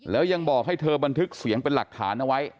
แล้วยังบอกให้เธอบันทึกเสียงเป็นหลักฐานเอาไว้